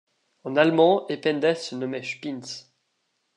En allemand Ependes se nommait Spinz.